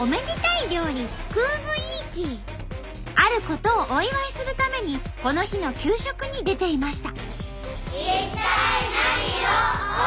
あることをお祝いするためにこの日の給食に出ていました。